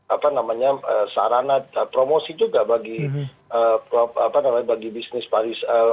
apa namanya sarana promosi juga bagi bisnis paris